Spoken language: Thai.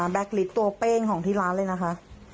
ลิฟต์ตัวเป้งของที่ร้านเลยนะคะ